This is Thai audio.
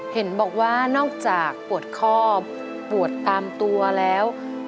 เห็นบอกว่านอกจากปวดคอบปวดตามตัวแล้ว